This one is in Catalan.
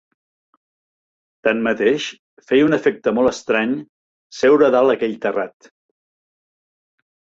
Tanmateix, feia un efecte molt estrany, seure dalt aquell terrat.